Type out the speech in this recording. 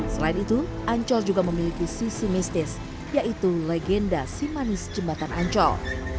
selain itu ancol juga memiliki sisi mistis yaitu legenda simanis jembatan ancol